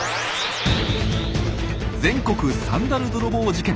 全国サンダル泥棒事件。